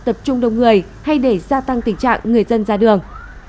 tập trung đông người hay để gia tăng tình trạng người dân ra đường